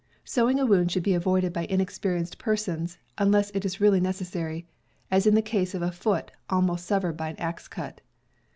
Sewing a wound should be avoided by inexperienced persons, unless it really is necessary, as in the case of a foot almost severed by an axe cut.